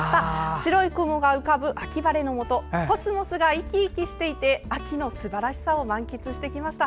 白い雲が浮かぶ秋晴れのもとコスモスが生き生きしていて秋のすばらしさを満喫してきました。